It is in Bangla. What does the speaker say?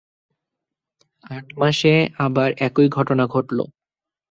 আট মাসে আবার একই ঘটনা ঘটল।